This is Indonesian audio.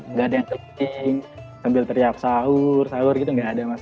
enggak ada yang keping sambil teriap sahur sahur gitu enggak ada mas